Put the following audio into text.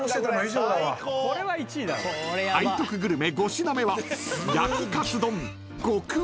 ［背徳グルメ５品目は］